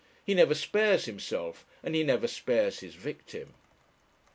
He never spares himself, and he never spares his victim.